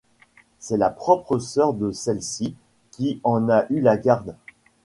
C'est la propre sœur de celle-ci qui en eut la garde.